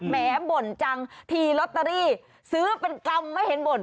แหมบ่นจังทีลอตเตอรี่ซื้อเป็นกรรมไม่เห็นบ่น